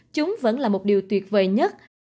chúng vẫn là một điều tuyệt vời nhất